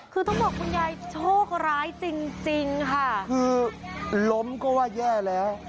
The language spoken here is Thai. คือต้องบอกคุณยายโชคร้ายจริงค่ะคือล้มก็ว่าแย่แล้ว